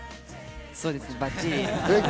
そうですね、バッチリ。